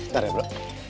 ntar ya bro